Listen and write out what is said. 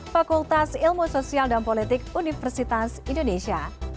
fakultas ilmu sosial dan politik universitas indonesia